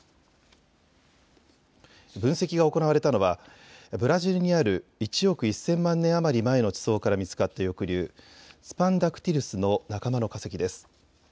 分析が行われたのはブラジルにある１億１０００万年余り前の地層から見つかった翼竜、ツパンダクティルスの仲間の化石です。